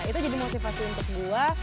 itu jadi motivasi untuk gue